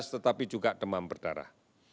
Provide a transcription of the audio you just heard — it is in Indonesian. tetapi juga demam berdarah